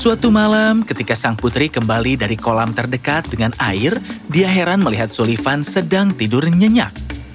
suatu malam ketika sang putri kembali dari kolam terdekat dengan air dia heran melihat sulifan sedang tidur nyenyak